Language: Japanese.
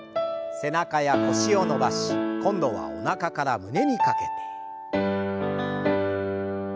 背中や腰を伸ばし今度はおなかから胸にかけて。